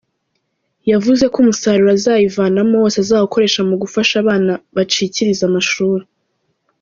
Yavuze ko umusaruro azayivanamo wose azawukoresha mu gufasha abana bacikiriza amashuri.